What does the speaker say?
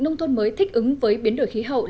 nông thôn mới thích ứng với biến đổi khí hậu